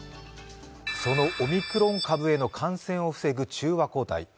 そのオミクロン株への感染を防ぐ中和抗体。